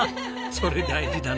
それ大事だね。